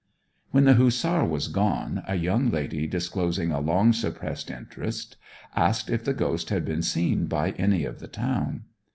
When the Hussar was gone, a young lady, disclosing a long suppressed interest, asked if the ghost had been seen by any of the town.